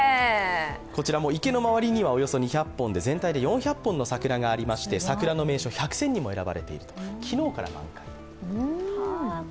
池の周りにはおよそ２００本で全体で４００本の桜がありまして桜の名所１００選にも選ばれている。